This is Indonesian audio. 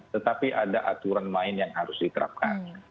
tetapi ada aturan main yang harus diterapkan